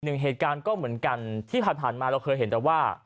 หนึ่งเหตุการณ์ก็เหมือนกันที่ผ่านมาเราเคยเห็นแต่ว่า